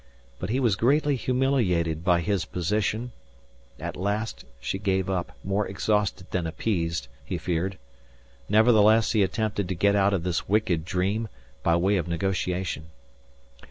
But he was greatly humiliated by his position. At last she gave up, more exhausted than appeased, he feared. Nevertheless he attempted to get out of this wicked dream by way of negotiation.